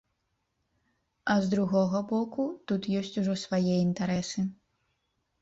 А з другога боку, тут ёсць ужо свае інтарэсы.